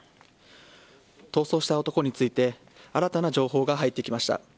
逃走した男について新たな情報が入ってきました。